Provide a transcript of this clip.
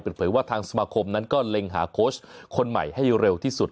เผยว่าทางสมาคมนั้นก็เล็งหาโค้ชคนใหม่ให้เร็วที่สุด